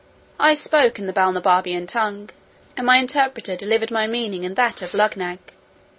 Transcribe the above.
I spoke in the Balnibarbian tongue, and my interpreter delivered my meaning in that of Luggnagg.